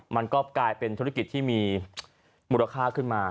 มันก็กลายเป็นธุรกิจที่มีมูลค่าขึ้นมา